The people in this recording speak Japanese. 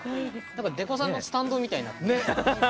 何かデコさんのスタンドみたいになってる。